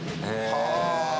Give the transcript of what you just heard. はあ！